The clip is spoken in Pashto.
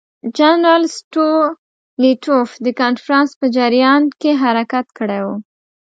جنرال ستولیتوف د کنفرانس په جریان کې حرکت کړی وو.